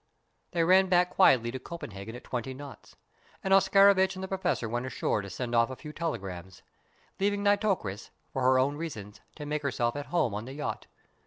They ran back quietly to Copenhagen at twenty knots, and Oscarovitch and the Professor went ashore to send off a few telegrams, leaving Nitocris, for her own reasons, to make herself at home on the yacht.